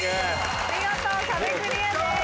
見事壁クリアです。